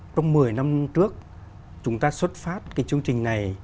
trong một mươi năm trước chúng ta xuất phát cái chương trình này